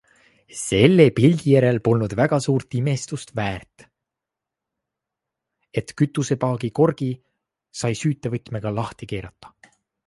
Selle pildi järel polnud väga suurt imestust väärt, et kütusepaagi korgi sai süütevõtmega lahti keerata.